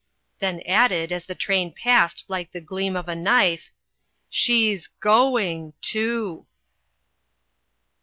Then added, as the train passed like the gleam of a knife: "She's going too."